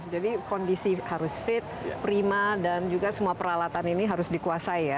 jadi kondisi harus fit prima dan juga semua peralatan ini harus dikuasai ya